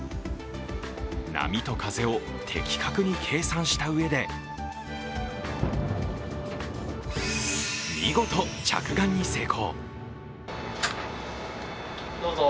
波と風を的確に計算したうえで見事、着岸に成功。